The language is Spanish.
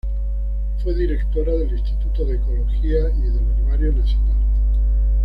Fue directora del "Instituto de Ecología" y del "Herbario Nacional".